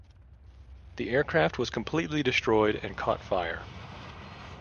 The aircraft was completely destroyed and caught fire.